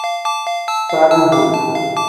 Faadi-duu.